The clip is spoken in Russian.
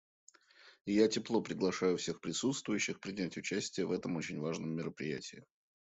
Я тепло приглашаю всех присутствующих принять участие в этом очень важном мероприятии.